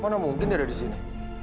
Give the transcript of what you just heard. mana mungkin dia ada disini